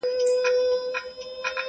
رسنۍ او پوليس صحنه ننداره کوي,